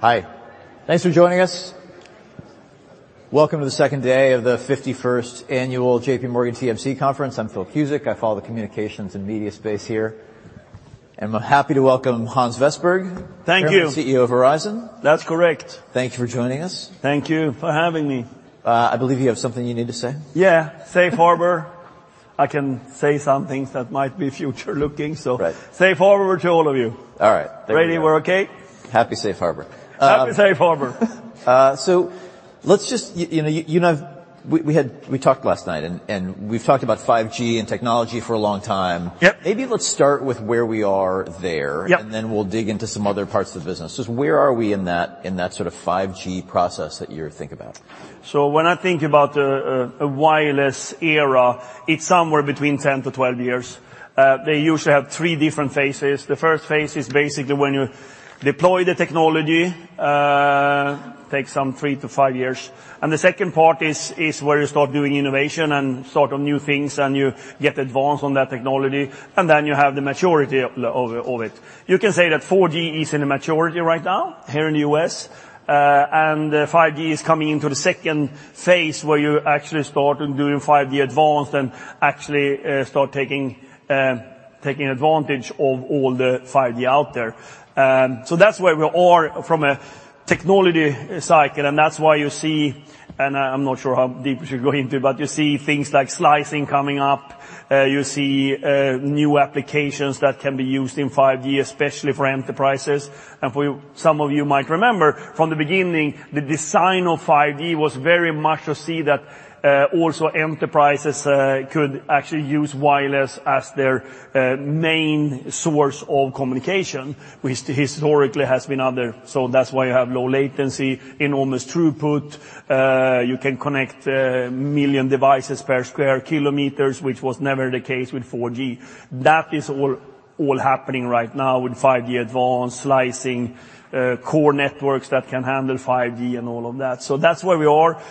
Hi. Thanks for joining us. Welcome to the second day of the 51st annual J.P. Morgan TMT Conference. I'm Phil Cusick. I follow the communications and media space here. We're happy to welcome Hans Vestberg. Thank you. Chairman, CEO of Verizon. That's correct. Thank you for joining us. Thank you for having me. I believe you have something you need to say. Yeah. safe harbor. I can say some things that might be future-looking, so- Right. safe harbor to all of you. All right. There we go. Ready. We're okay. Happy safe harbor. Happy safe harbor. let's just, you know, we talked last night and we've talked about 5G and technology for a long time. Yep. Maybe let's start with where we are there. Yep. we'll dig into some other parts of the business. Just where are we in that sort of 5G process that you're think about? When I think about a wireless era, it's somewhere between 10 to 12 years. They usually have three different phases. The first phase is basically when you deploy the technology. Takes some three to five years. The second part is where you start doing innovation and start on new things, and you get advanced on that technology. Then you have the maturity of it. You can say that 4G is in the maturity right now here in the U.S. 5G is coming into the second phase, where you actually start doing 5G-Advanced and actually start taking advantage of all the 5G out there. That's where we are from a technology cycle, and that's why you see... I'm not sure how deep we should go into, but you see things like Network Slicing coming up. You see new applications that can be used in 5G, especially for enterprises. For some of you might remember from the beginning, the design of 5G was very much to see that also enterprises could actually use wireless as their main source of communication, which historically has been other. That's why you have low latency, enormous throughput. You can connect 1 million devices per square kilometers, which was never the case with 4G. That is all happening right now with 5G-Advanced, Network Slicing, core networks that can handle 5G and all of that. That's where we are.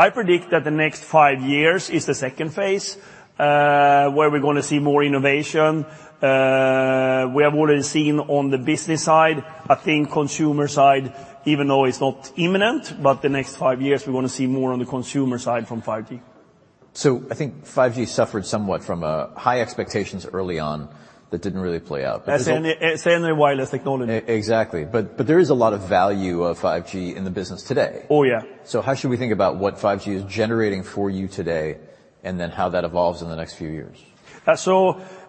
I predict that the next 5 years is the second phase, where we're going to see more innovation. We have already seen on the business side. I think consumer side, even though it's not imminent, but the next five years we're gonna see more on the consumer side from 5G. I think 5G suffered somewhat from high expectations early on that didn't really play out. As any wireless technology. Exactly. There is a lot of value of 5G in the business today. Oh, yeah. How should we think about what 5G is generating for you today, and then how that evolves in the next few years?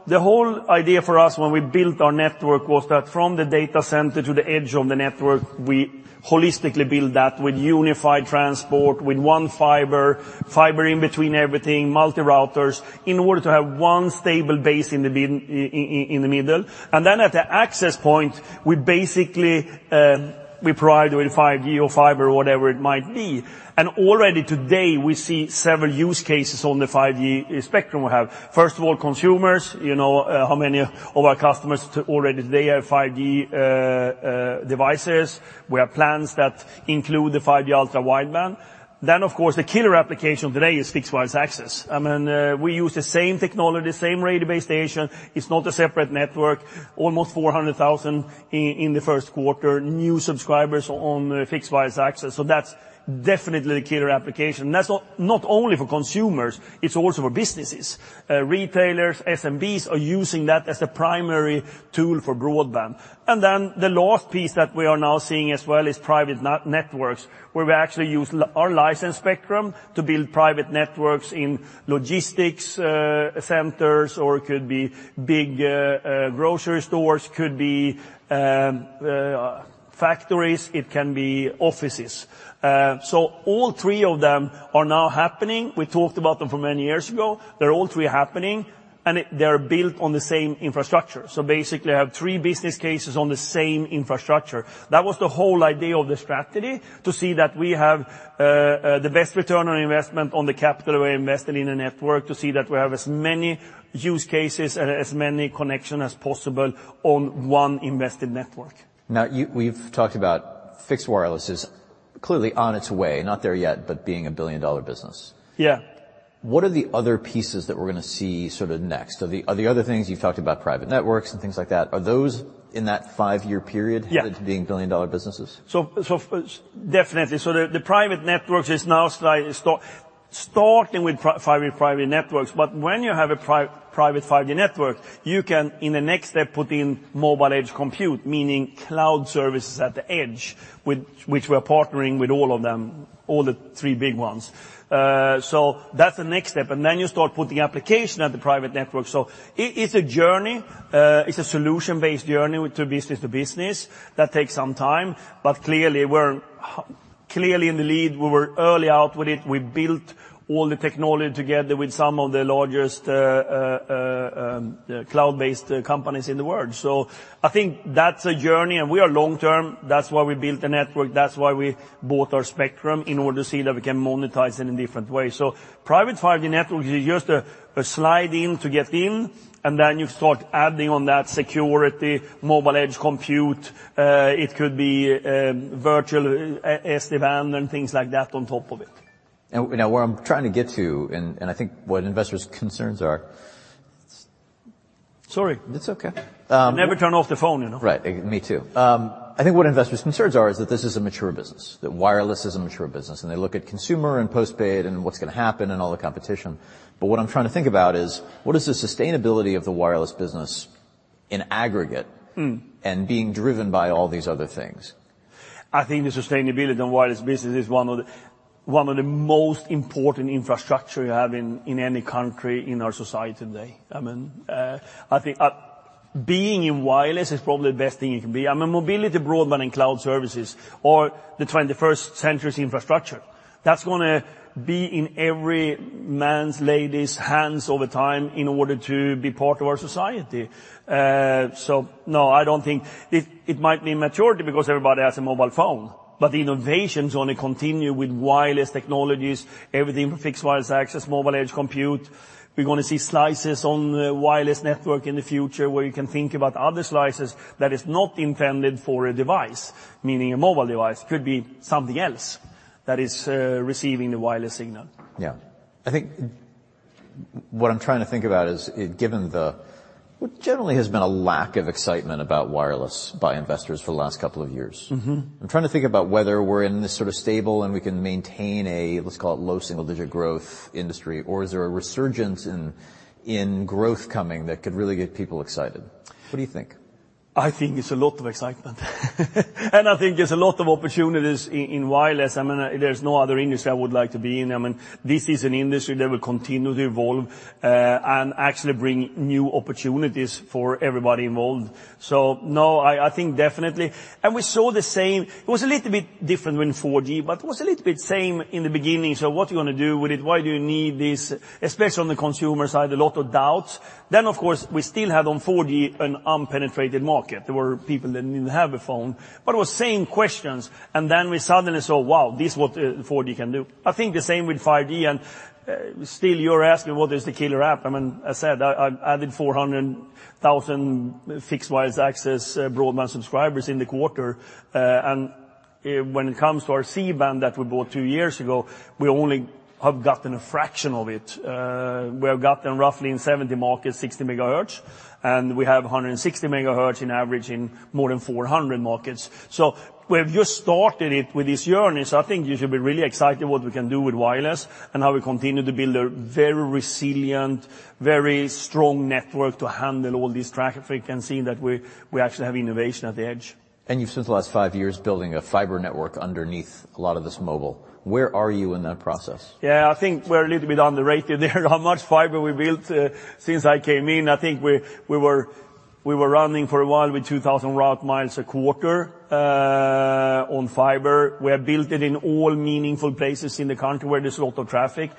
The whole idea for us when we built our network was that from the data center to the edge of the network, we holistically build that with unified transport, with one fiber in between everything, multi-routers, in order to have one stable base in the middle. At the access point, we basically, we provide with 5G or fiber or whatever it might be. Already today we see several use cases on the 5G spectrum we have. First of all, consumers, you know, how many of our customers already today have 5G devices. We have plans that include the 5G Ultra Wideband. Of course, the killer application today is Fixed Wireless Access. I mean, we use the same technology, same radio base station. It's not a separate network. Almost 400,000 in the first quarter, new subscribers on Fixed Wireless Access. That's definitely the killer application. That's not only for consumers, it's also for businesses. Retailers, SMBs are using that as a primary tool for broadband. The last piece that we are now seeing as well is private networks, where we actually use our license spectrum to build private networks in logistics centers, or it could be big grocery stores, could be factories, it can be offices. All three of them are now happening. We talked about them from many years ago. They're all three happening, and they're built on the same infrastructure. Basically I have three business cases on the same infrastructure. That was the whole idea of the strategy, to see that we have the best return on investment on the capital we invested in the network, to see that we have as many use cases and as many connection as possible on one invested network. We've talked about fixed wireless is clearly on its way. Not there yet, but being a billion-dollar business. Yeah. What are the other pieces that we're gonna see sort of next? Are the other things... You've talked about private networks and things like that. Are those in that five-year period- Yeah. headed to being billion-dollar businesses? Definitely. The private networks is now slightly starting with 5G private networks. When you have a private 5G network, you can, in the next step, put in Mobile Edge Computing, meaning cloud services at the edge, which we're partnering with all of them, all the three big ones. That's the next step. You start putting application at the private network. It's a journey. It's a solution-based journey with the business to business that takes some time, but clearly we're clearly in the lead. We were early out with it. We built all the technology together with some of the largest cloud-based companies in the world. I think that's a journey. We are long-term. That's why we built the network. That's why we bought our spectrum, in order to see that we can monetize it in different ways. Private 5G networks is just a slide in to get in, and then you start adding on that security, Mobile Edge Computing, it could be virtual SD-WAN and things like that on top of it. You know, where I'm trying to get to, and I think what investors' concerns are. Sorry It's okay. Never turn off the phone, you know? Right. Me too. I think what investors' concerns are is that this is a mature business, that wireless is a mature business, they look at consumer and postpaid and what's gonna happen and all the competition, what I'm trying to think about is what is the sustainability of the wireless business in aggregate. Mm... and being driven by all these other things? I think the sustainability of the wireless business is one of the most important infrastructure you have in any country in our society today. I mean, I think being in wireless is probably the best thing you can be. I mean, mobility, broadband, and Cloud services are the 21st century's infrastructure. That's gonna be in every man's, lady's hands over time in order to be part of our society. No, I don't think. It might be maturity because everybody has a mobile phone, but innovation's gonna continue with wireless technologies, everything from Fixed Wireless Access, Mobile Edge Computing. We're gonna see slices on the wireless network in the future where you can think about other slices that is not intended for a device, meaning a mobile device. Could be something else that is receiving the wireless signal. Yeah. I think what I'm trying to think about is given the what generally has been a lack of excitement about wireless by investors for the last couple of years. Mm-hmm. I'm trying to think about whether we're in this sort of stable and we can maintain a, let's call it, low single digit growth industry, or is there a resurgence in growth coming that could really get people excited? What do you think? I think it's a lot of excitement. I think there's a lot of opportunities in wireless. I mean, there's no other industry I would like to be in. I mean, this is an industry that will continue to evolve, and actually bring new opportunities for everybody involved. No, I think definitely. We saw the same. It was a little bit different with 4G, but it was a little bit same in the beginning, so what you gonna do with it? Why do you need this? Especially on the consumer side, a lot of doubts. Of course, we still had on 4G an unpenetrated market. There were people that didn't have a phone, but it was same questions, and then we suddenly saw, wow, this is what 4G can do. I think the same with 5G, and still you're asking what is the killer app. I mean, I added 400,000 Fixed Wireless Access broadband subscribers in the quarter. And when it comes to our C-band that we bought two years ago, we only have gotten a fraction of it. We have gotten roughly in 70 markets 60 megahertz, and we have 160 megahertz in averaging more than 400 markets. We have just started it with these journeys. I think you should be really excited what we can do with wireless, and how we continue to build a very resilient, very strong network to handle all this traffic. We can see that we actually have innovation at the edge. You've spent the last five years building a fiber network underneath a lot of this mobile. Where are you in that process? I think we're a little bit underrated there on how much fiber we built since I came in. I think we were running for a while with 2,000 route miles a quarter on fiber. We have built it in all meaningful places in the country where there's a lot of traffic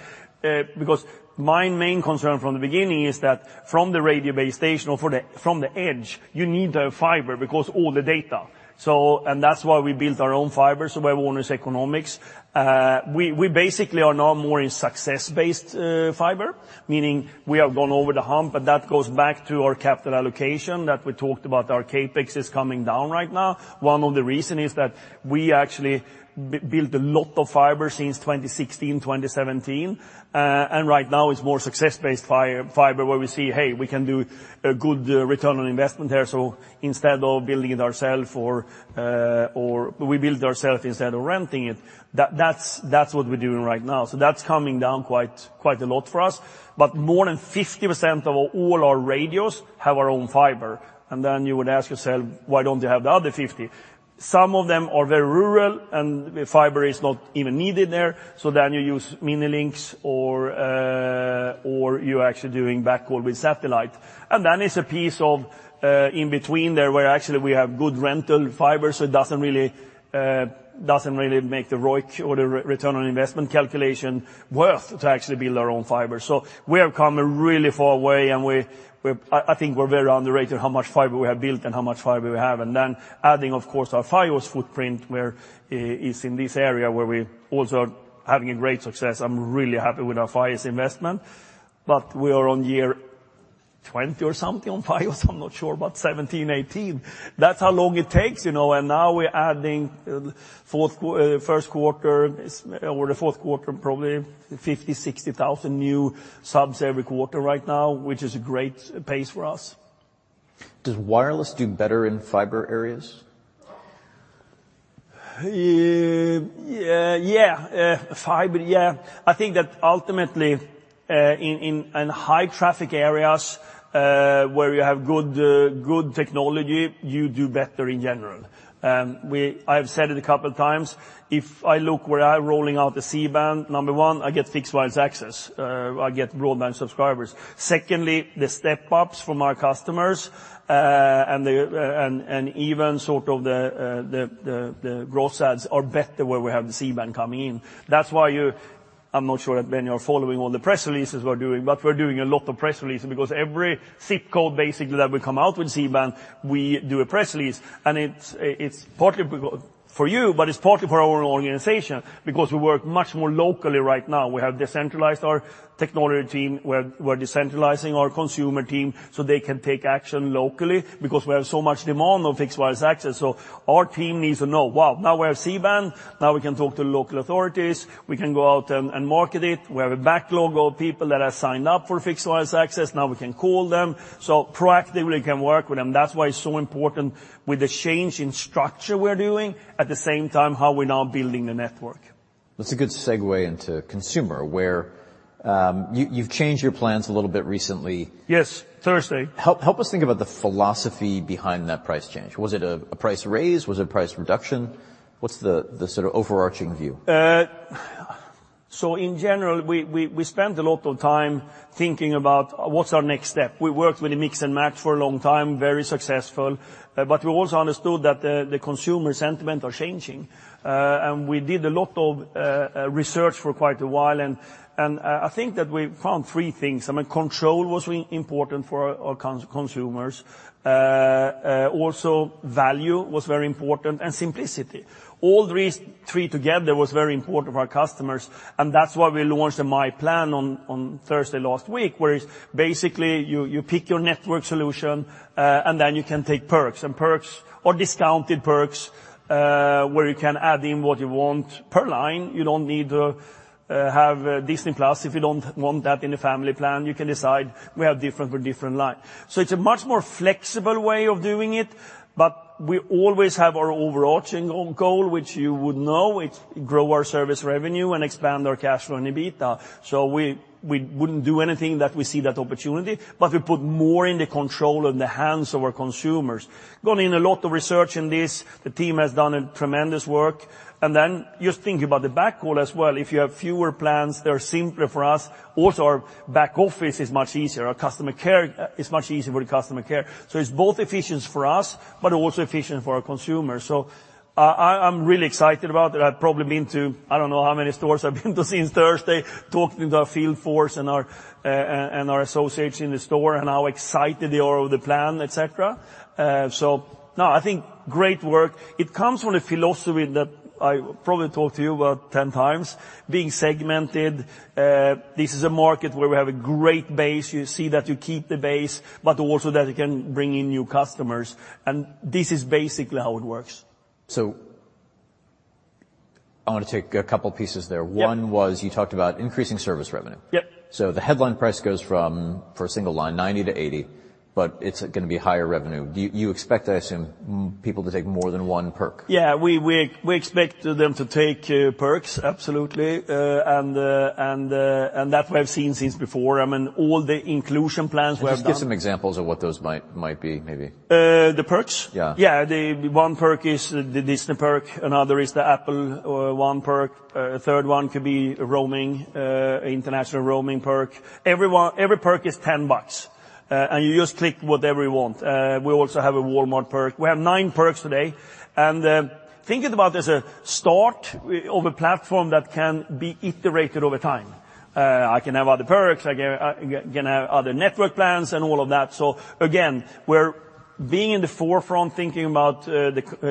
because my main concern from the beginning is that from the radio base station or from the edge, you need the fiber because all the data. That's why we built our own fiber, so we own its economics. We basically are now more in success-based fiber, meaning we have gone over the hump, but that goes back to our capital allocation that we talked about. Our CapEx is coming down right now. One of the reason is that we actually built a lot of fiber since 2016, 2017, and right now it's more success-based fiber where we see, hey, we can do a good return on investment here, so instead of building it ourself or we build it ourself instead of renting it, that's what we're doing right now. That's coming down quite a lot for us. More than 50% of all our radios have our own fiber, and then you would ask yourself, "Why don't they have the other 50?" Some of them are very rural, and fiber is not even needed there, so then you use mini links or you're actually doing backhaul with satellite. It's a piece of in between there where actually we have good rental fiber, it doesn't really make the ROI or the return on investment calculation worth to actually build our own fiber. We have come a really far way, and we're I think we're very underrated how much fiber we have built and how much fiber we have. Adding, of course, our Fios footprint where it's in this area where we're also having a great success. I'm really happy with our Fios investment. We are on year 20 or something on Fios, I'm not sure, but 17, 18. That's how long it takes, you know? We're adding first quarter or the fourth quarter probably 50,000-60,000 new subs every quarter right now, which is a great pace for us. Does wireless do better in fiber areas? Yeah. Fiber, yeah. I think that ultimately, in high traffic areas, where you have good technology, you do better in general. I've said it a couple times. If I look where I'm rolling out the C-band, number one, I get Fixed Wireless Access. I get broadband subscribers. Secondly, the step-ups from our customers, and the, and even sort of the, the growth sides are better where we have the C-band coming in. That's why I'm not sure if any of you are following all the press releases we're doing, but we're doing a lot of press releases because every ZIP code basically that we come out with C-band, we do a press release. It's partly because for you, but it's partly for our own organization because we work much more locally right now. We have decentralized our technology team. We're decentralizing our consumer team so they can take action locally because we have so much demand on Fixed Wireless Access. Our team needs to know, "Wow, now we have C-band. Now we can talk to local authorities. We can go out and market it. We have a backlog of people that have signed up for Fixed Wireless Access. Now we can call them, so proactively can work with them." That's why it's so important with the change in structure we're doing, at the same time, how we're now building the network. That's a good segue into consumer, where, you've changed your plans a little bit recently. Yes, Thursday. Help us think about the philosophy behind that price change. Was it a price raise? Was it a price reduction? What's the sort of overarching view? In general we spent a lot of time thinking about what's our next step. We worked with a Mix & Match for a long time, very successful. We also understood that the consumer sentiment are changing. We did a lot of research for quite a while. I mean, I think that we found three things. I mean, control was re-important for our consumers. Also value was very important, and simplicity. All these three together was very important for our customers, and that's why we launched the myPlan on Thursday last week, where it's basically you pick your network solution, and then you can take perks. Perks or discounted perks, where you can add in what you want per line. You don't need to have Disney+ if you don't want that in a family plan. You can decide we have different for different line. It's a much more flexible way of doing it, but we always have our overarching goal, which you would know, it's grow our service revenue and expand our cash flow and EBITDA. We, we wouldn't do anything that we see that opportunity, but we put more in the control in the hands of our consumers. Gone in a lot of research in this. The team has done a tremendous work. Just thinking about the back-end as well, if you have fewer plans, they're simpler for us. Also, our back office is much easier. Our customer care, it's much easier for the customer care. It's both efficient for us, but also efficient for our consumers. I'm really excited about that. I've probably been to I don't know how many stores I've been to since Thursday, talking to our field force and our associates in the store and how excited they are of the plan, et cetera. No, I think great work. It comes from a philosophy that I probably talk to you about 10x, being segmented. This is a market where we have a great base. You see that you keep the base, but also that it can bring in new customers, and this is basically how it works. I want to take a couple pieces there. Yeah. One was you talked about increasing service revenue. Yeah. The headline price goes from, for a single line, $90 to $80, but it's gonna be higher revenue. Do you expect, I assume, people to take more than 1 perk? Yeah. We expect them to take perks, absolutely. That we have seen since before. I mean, all the inclusion plans we've done... Well, give some examples of what those might be maybe. The perks? Yeah. Yeah. The one perk is the Disney perk. Another is the Apple One perk. Third one could be roaming, international roaming perk. Every perk is $10, and you just click whatever you want. We also have a Walmart perk. We have nine perks today. Thinking about as a start of a platform that can be iterated over time, I can have other perks. I can have other network plans and all of that. Again, we're being in the forefront thinking about,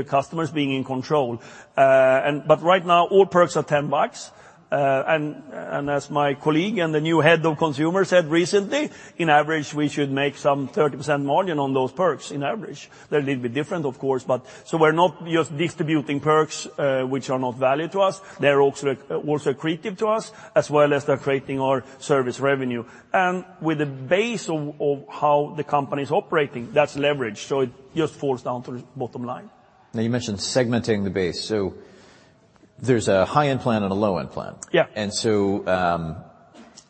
customers being in control. But right now, all perks are $10. As my colleague and the new head of consumer said recently, in average, we should make some 30% margin on those perks in average. They're a little bit different, of course. We're not just distributing perks, which are not value to us. They're also accretive to us, as well as they're creating our service revenue. With the base of how the company's operating, that's leverage. It just falls down to the bottom line. You mentioned segmenting the base. There's a high-end plan and a low-end plan. Yeah. And so, um-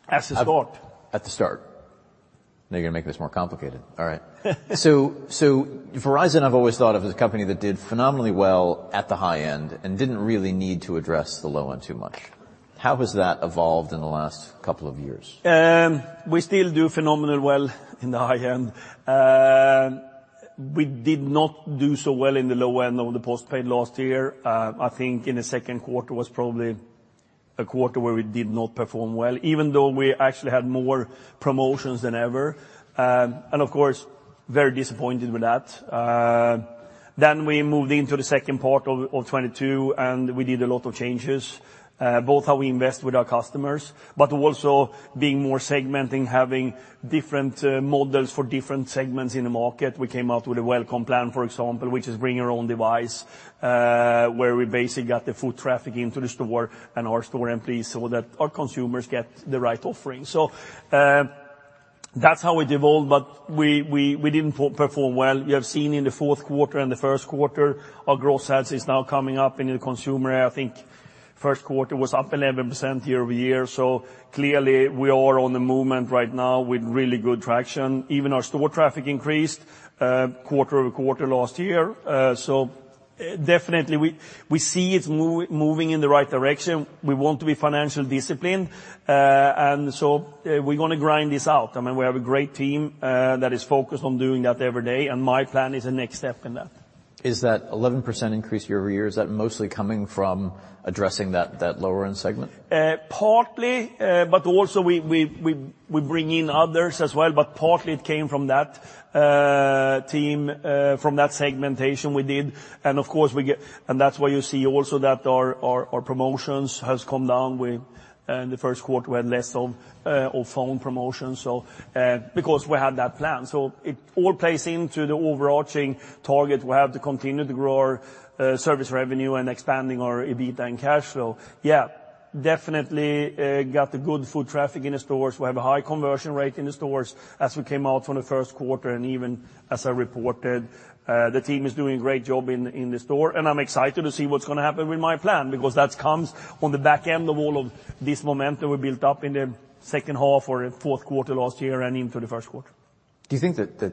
At the start. At the start. Now you're gonna make this more complicated. All right. Verizon I've always thought of as a company that did phenomenally well at the high end and didn't really need to address the low end too much. How has that evolved in the last couple of years? We still do phenomenal well in the high end. We did not do so well in the low end of the postpaid last year. I think in the second quarter was probably a quarter where we did not perform well, even though we actually had more promotions than ever. Very disappointed with that. We moved into the second part of 2022, and we did a lot of changes, both how we invest with our customers, but also being more segmenting, having different models for different segments in the market. We came out with a Unlimited Welcome, for example, which is bring your own device, where we basically got the foot traffic into the store and our store employees so that our consumers get the right offering. That's how it evolved, but we didn't perform well. We have seen in the fourth quarter and the first quarter our growth sales is now coming up in the consumer. I think first quarter was up 11% year-over-year, so clearly we are on the movement right now with really good traction. Even our store traffic increased quarter-over-quarter last year. Definitely we see it moving in the right direction. We want to be financial disciplined, we're gonna grind this out. I mean, we have a great team that is focused on doing that every day, and myPlan is the next step in that. Is that 11% increase year-over-year, is that mostly coming from addressing that lower end segment? Partly, but also we bring in others as well, but partly it came from that team, from that segmentation we did. Of course we get. That's why you see also that our promotions has come down with. In the first quarter we had less of phone promotions, so, because we had that plan. It all plays into the overarching target. We have to continue to grow our service revenue and expanding our EBITDA and cash flow. Definitely, got the good foot traffic in the stores. We have a high conversion rate in the stores as we came out from the first quarter, and even as I reported, the team is doing a great job in the store. I'm excited to see what's going to happen with myPlan, because that's comes on the back end of all of this momentum we built up in the second half or fourth quarter last year and into the first quarter. Do you think that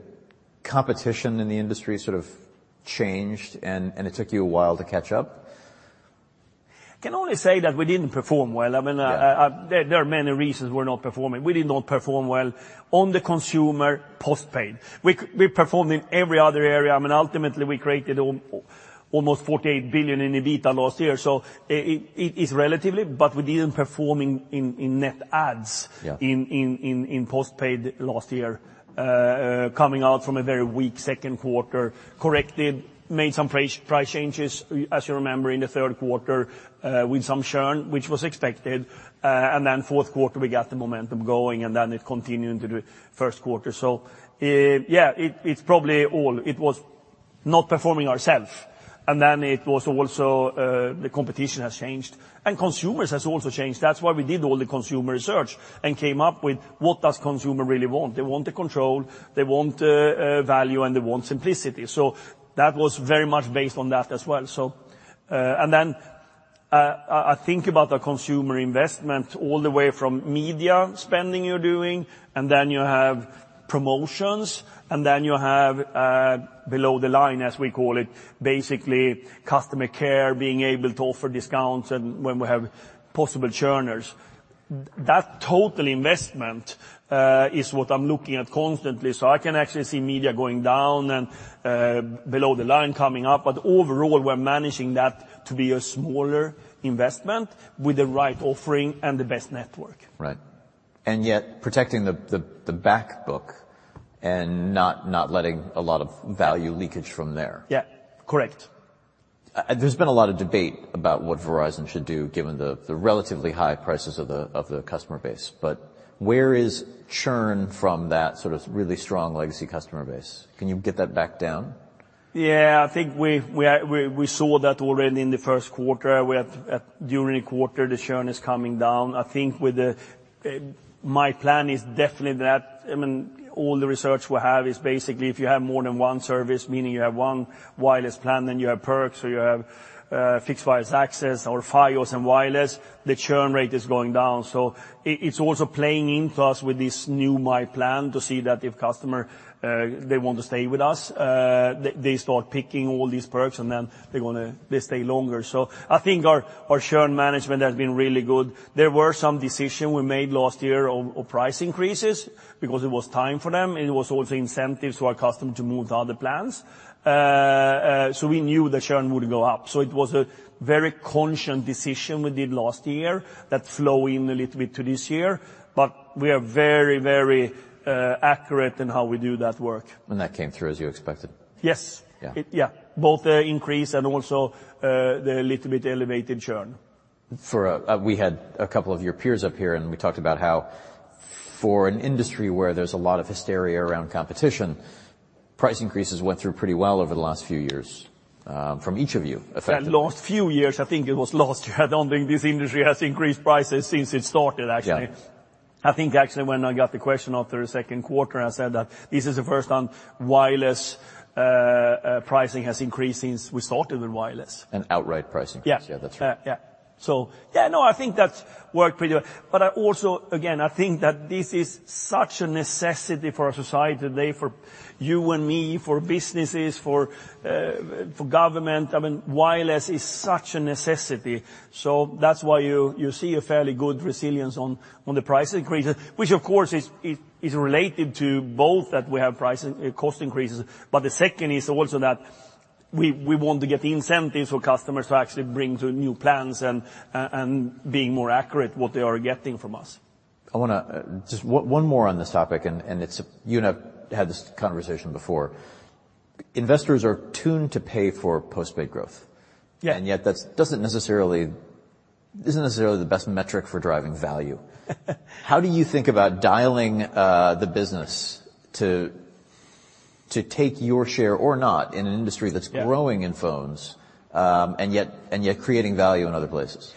competition in the industry sort of changed and it took you a while to catch up? Can only say that we didn't perform well. I mean. Yeah... there are many reasons we're not performing. We did not perform well on the consumer postpaid. We performed in every other area. I mean, ultimately, we created almost $48 billion in EBITDA last year, so it is relatively, but we didn't perform in net adds. Yeah... in postpaid last year. Coming out from a very weak second quarter, corrected, made some price changes as you remember in the third quarter, with some churn, which was expected. Then fourth quarter, we got the momentum going, and then it continued into the first quarter. Yeah, it's probably all. It was not performing ourself, and then it was also, the competition has changed, and consumers has also changed. That's why we did all the consumer research and came up with what does consumer really want. They want the control, they want value, and they want simplicity. That was very much based on that as well. And then I think about the consumer investment all the way from media spending you're doing, and then you have promotions, and then you have below the line, as we call it, basically customer care, being able to offer discounts and when we have possible churners. That total investment is what I'm looking at constantly. I can actually see media going down and below the line coming up. Overall, we're managing that to be a smaller investment with the right offering and the best network. Right. Yet protecting the back book and not letting a lot of value leakage from there. Yeah, correct. There's been a lot of debate about what Verizon should do given the relatively high prices of the, of the customer base. Where is churn from that sort of really strong legacy customer base? Can you get that back down? I think we saw that already in the first quarter. We had during the quarter, the churn is coming down. I think with the myPlan is definitely that, I mean, all the research we have is basically if you have more than one service, meaning you have one wireless plan, then you have perks, or you have Fixed Wireless Access or Fios and wireless, the churn rate is going down. It's also playing in to us with this new myPlan to see that if customer they want to stay with us, they start picking all these perks and then they wanna they stay longer. I think our churn management has been really good. There were some decision we made last year of price increases because it was time for them, it was also incentives to our customer to move to other plans. We knew the churn would go up. It was a very conscious decision we did last year that flow in a little bit to this year. We are very, very accurate in how we do that work. That came through as you expected? Yes. Yeah. Yeah. Both the increase and also, the little bit elevated churn. We had a couple of your peers up here, and we talked about how for an industry where there's a lot of hysteria around competition, price increases went through pretty well over the last few years, from each of you effectively. The last few years, I think it was last year. I don't think this industry has increased prices since it started actually. Yeah. I think actually when I got the question after the second quarter, I said that this is the first time wireless pricing has increased since we started in wireless. An outright pricing. Yeah. Yeah, that's right. Yeah. No, I think that's worked pretty well. I also, again, I think that this is such a necessity for our society today, for you and me, for businesses, for government. I mean, wireless is such a necessity. That's why you see a fairly good resilience on the price increases, which of course is related to both that we have cost increases. The second is also that we want to get the incentives for customers to actually bring to new plans and being more accurate what they are getting from us. I wanna. Just one more on this topic, and it's, you and I have had this conversation before. Investors are tuned to pay for postpaid growth. Yeah. Yet that's doesn't necessarily isn't necessarily the best metric for driving value? How do you think about dialing the business to take your share or not in an industry that's. Yeah... growing in phones, and yet creating value in other places?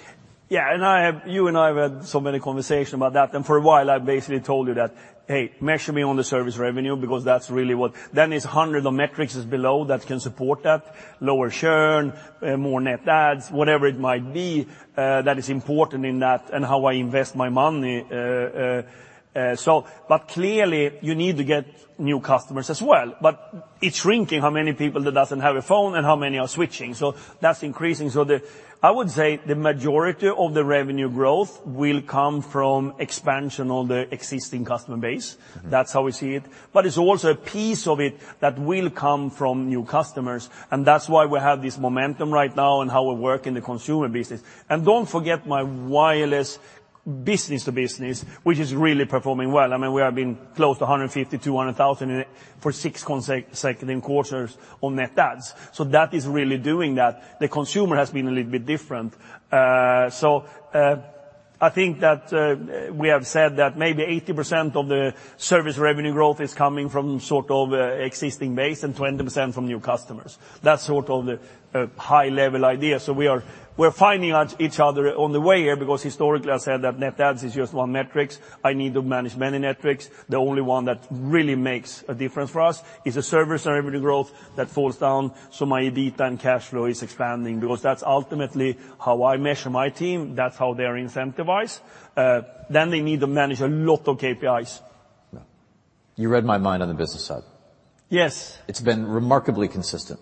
Yeah. You and I have had so many conversations about that. For a while, I basically told you that, "Hey, measure me on the service revenue because that's really what..." It's 100 of metrics is below that can support that. Lower churn, more net adds, whatever it might be, that is important in that and how I invest my money, so. Clearly you need to get new customers as well. It's shrinking how many people that doesn't have a phone and how many are switching. That's increasing. I would say the majority of the revenue growth will come from expansion of the existing customer base. Mm-hmm. That's how we see it. It's also a piece of it that will come from new customers, and that's why we have this momentum right now and how we work in the consumer business. Don't forget my wireless business to business, which is really performing well. I mean, we have been close to 150,000-200,000 in it for six consecutive quarters on net adds. That is really doing that. The consumer has been a little bit different. I think that we have said that maybe 80% of the service revenue growth is coming from sort of existing base and 20% from new customers. That's sort of the high level idea. We're finding out each other on the way here because historically I said that net adds is just one metrics. I need to manage many metrics. The only one that really makes a difference for us is the service revenue growth that falls down, so my EBITDA and cash flow is expanding because that's ultimately how I measure my team. That's how they're incentivized. they need to manage a lot of KPIs. You read my mind on the business side. Yes. It's been remarkably consistent.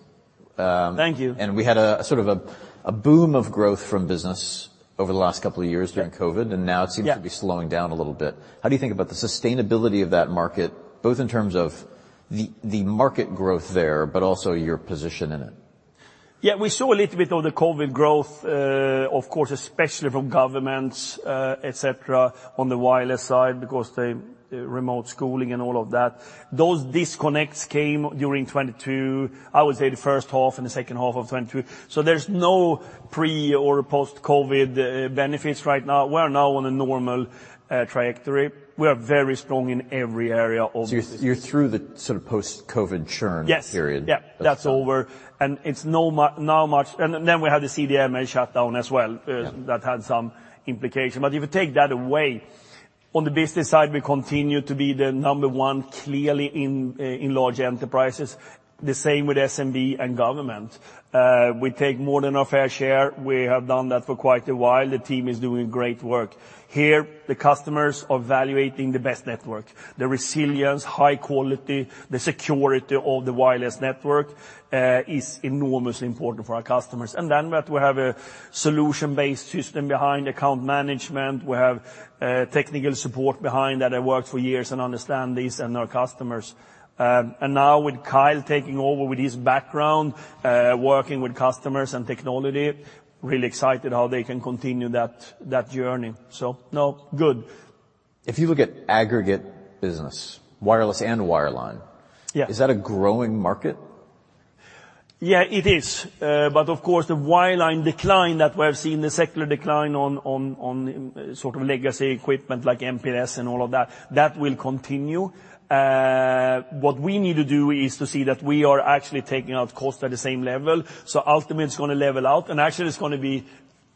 Thank you. We had a sort of a boom of growth from business over the last couple of years. Yeah... during COVID, and now it seems- Yeah... to be slowing down a little bit. How do you think about the sustainability of that market, both in terms of the market growth there, but also your position in it? We saw a little bit of the COVID growth, of course especially from governments, et cetera, on the wireless side because they remote schooling and all of that. Those disconnects came during 2022, I would say the first half and the second half of 2022. There's no pre or post-COVID benefits right now. We're now on a normal trajectory. We're very strong in every area of- You're through the sort of post-COVID churn? Yes... period. Yeah. That's done. That's over. It's no now much. We had the CDMA shut down as well. Yeah. That had some implication. If you take that away, on the business side we continue to be the number one clearly in large enterprises. The same with SMB and government. We take more than our fair share. We have done that for quite a while. The team is doing great work. Here, the customers are evaluating the best network, the resilience, high quality, the security of the wireless network is enormously important for our customers. Then that we have a solution-based system behind account management, we have technical support behind that have worked for years and understand this and our customers. Now with Kyle taking over with his background, working with customers and technology, really excited how they can continue that journey. No, good. If you look at aggregate business, wireless and wireline- Yeah... is that a growing market? Yeah, it is. Of course, the wireline decline that we're seeing, the secular decline on sort of legacy equipment like MPLS and all of that will continue. What we need to do is to see that we are actually taking out costs at the same level. Ultimately it's gonna level out, and actually it's gonna be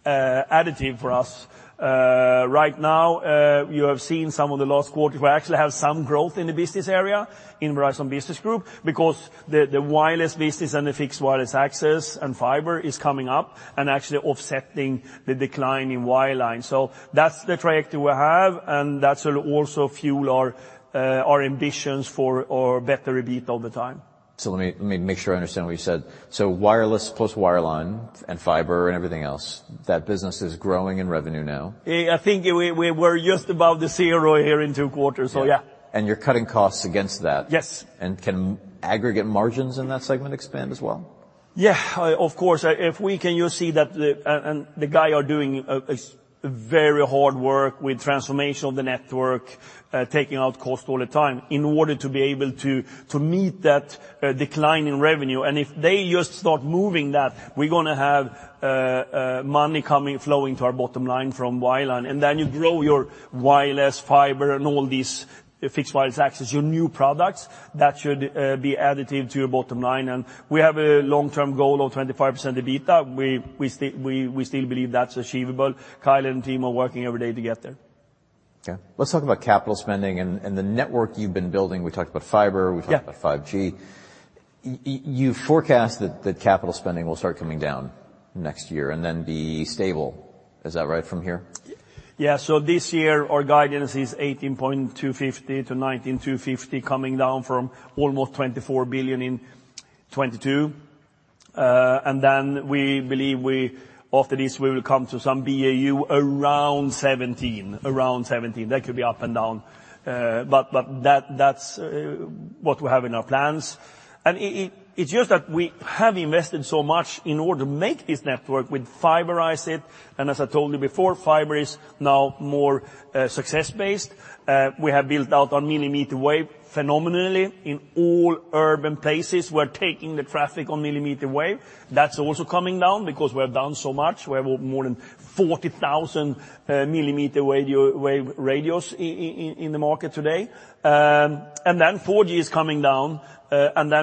additive for us. Right now, you have seen some of the last quarter, we actually have some growth in the business area in Verizon Business Group because the wireless business and the Fixed Wireless Access and fiber is coming up and actually offsetting the decline in wireline. That's the trajectory we have, and that will also fuel our ambitions for our better EBITDA over time. Let me make sure I understand what you said? Wireless plus wireline and fiber and everything else, that business is growing in revenue now. Yeah, I think we're just above the zero here in two quarters. Yeah. Yeah. You're cutting costs against that. Yes. Can aggregate margins in that segment expand as well? Yeah. Of course. If we can just see that the guy are doing a very hard work with transformation of the network, taking out cost all the time in order to be able to meet that decline in revenue. If they just start moving that, we're gonna have money coming, flowing to our bottom line from wireline. Then you grow your wireless fiber and all these Fixed Wireless Access, your new products, that should be additive to your bottom line. We have a long-term goal of 25% EBITDA. We still believe that's achievable. Kyle and team are working every day to get there. Okay. Let's talk about capital spending and the network you've been building. We talked about fiber. Yeah. We talked about 5G. you forecast that capital spending will start coming down next year and then be stable. Is that right from here? This year our guidance is $18.250 billion-$19.250 billion, coming down from almost $24 billion in 2022. We believe after this we will come to some BAU around $17 billion. Around $17 billion. That could be up and down. That's what we have in our plans. It's just that we have invested so much in order to make this network. We'd fiberize it, as I told you before, fiber is now more success-based. We have built out on millimeter wave phenomenally in all urban places. We're taking the traffic on millimeter wave. That's also coming down because we've done so much. We have more than 40,000 millimeter wave radios in the market today. 4G is coming down,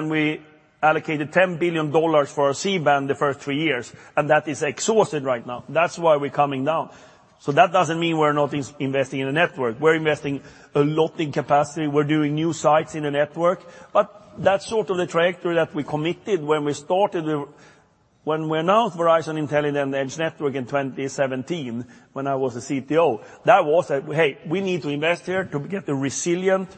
we allocated $10 billion for our C-band the first three years, and that is exhausted right now. That's why we're coming down. That doesn't mean we're not investing in the network. We're investing a lot in capacity. We're doing new sites in the network. That's sort of the trajectory that we committed when we announced Verizon Intelligent Edge Network in 2017 when I was the CTO, that was that, "Hey, we need to invest here to get the resilient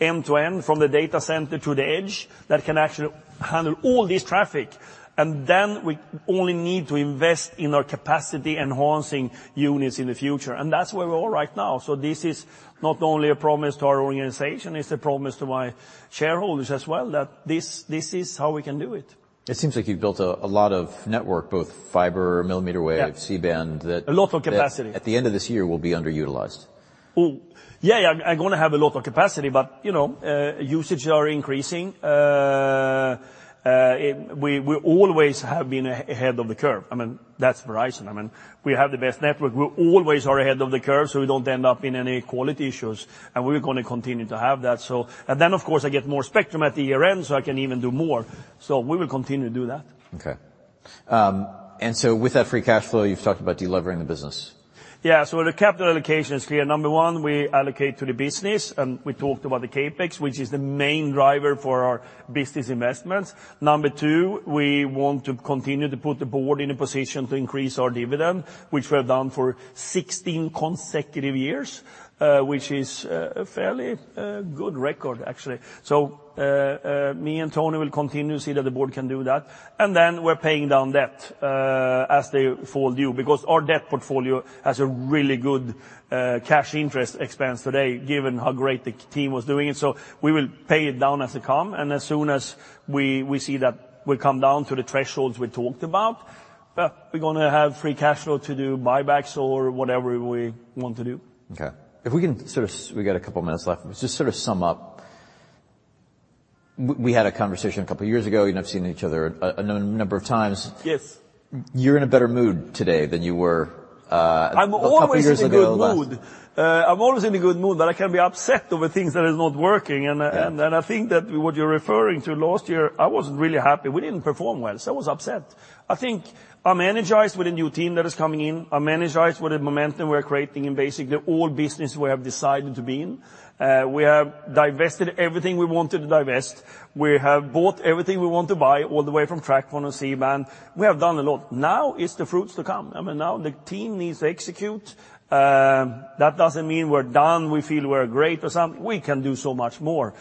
end-to-end from the data center to the edge that can actually handle all this traffic." We only need to invest in our capacity enhancing units in the future, and that's where we are right now. This is not only a promise to our organization, it's a promise to my shareholders as well that this is how we can do it. It seems like you've built a lot of network, both fiber, millimeter wave. Yeah... C-band. A lot of capacity. that at the end of this year will be underutilized. Well, yeah, I'm gonna have a lot of capacity but, you know, usage are increasing. We always have been ahead of the curve. I mean, that's Verizon. I mean, we have the best network. We always are ahead of the curve, so we don't end up in any quality issues, and we're gonna continue to have that. Of course I get more spectrum at the end so I can even do more. We will continue to do that. Okay. with that free cash flow, you've talked about delevering the business. Yeah. The capital allocation is clear. Number one, we allocate to the business, and we talked about the CapEx, which is the main driver for our business investments. Number two, we want to continue to put the board in a position to increase our dividend, which we have done for 16 consecutive years, which is a fairly good record, actually. Me and Tony will continue to see that the board can do that. We're paying down debt as they fall due, because our debt portfolio has a really good cash interest expense today, given how great the team was doing. We will pay it down as they come, and as soon as we see that we come down to the thresholds we talked about, we're gonna have free cash flow to do buybacks or whatever we want to do. Okay. If we can sort of we got a couple minutes left. Let's just sort of sum up. We had a conversation a couple years ago. You know, I've seen each other a number of times. Yes. You're in a better mood today than you were. I'm always in a good mood. ...a couple years ago last. I'm always in a good mood, but I can be upset over things that is not working. Yeah. I think that what you're referring to, last year I wasn't really happy. We didn't perform well, so I was upset. I think I'm energized with the new team that is coming in. I'm energized with the momentum we're creating in basically all business we have decided to be in. We have divested everything we wanted to divest. We have bought everything we want to buy, all the way from TracFone and C-band. We have done a lot. Now is the fruits to come. I mean, now the team needs to execute. That doesn't mean we're done, we feel we're great or something. We can do so much more.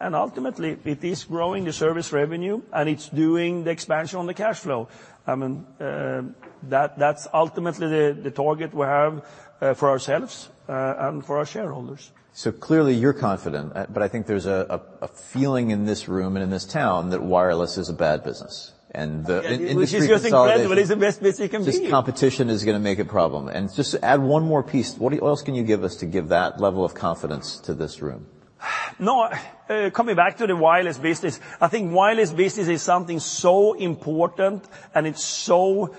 Ultimately, it is growing the service revenue, and it's doing the expansion on the cash flow. I mean, that's ultimately the target we have for ourselves and for our shareholders. Clearly you're confident, but I think there's a feeling in this room and in this town that wireless is a bad business. The industry consolidation- Which is incredible. It's the best business you can be in. This competition is gonna make a problem. Just to add one more piece, what else can you give us to give that level of confidence to this room? No. Coming back to the wireless business, I think wireless business is something so important, and it's so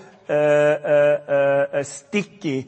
sticky.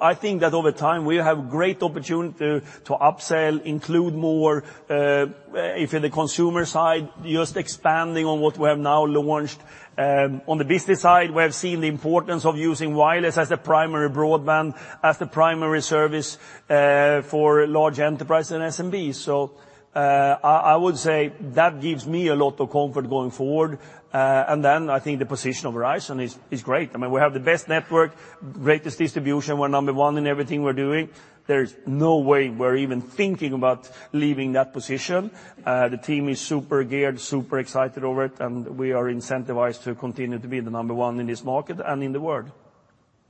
I think that over time we have great opportunity to upsell, include more, if in the consumer side, just expanding on what we have now launched. On the business side, we have seen the importance of using wireless as a primary broadband, as the primary service for large enterprise and SMBs. I would say that gives me a lot of comfort going forward. I think the position of Verizon is great. I mean, we have the best network, greatest distribution. We're number one in everything we're doing. There's no way we're even thinking about leaving that position. The team is super geared, super excited over it, and we are incentivized to continue to be the number one in this market and in the world.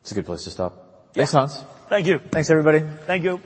It's a good place to stop. Yeah. Thanks, Hans. Thank you. Thanks, everybody. Thank you.